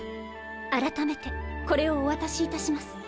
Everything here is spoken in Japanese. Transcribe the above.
改めてこれをお渡し致します。